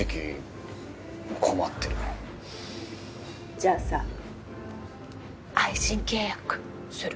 じゃあさ愛人契約する？